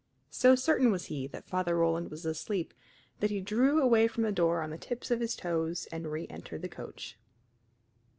So certain was he that Father Roland was asleep that he drew away from the door on the tips of his toes and reëntered the coach.